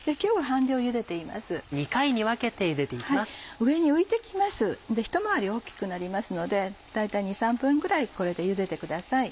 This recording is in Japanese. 上に浮いて来ますでひと回り大きくなりますので大体２３分ぐらいこれでゆでてください。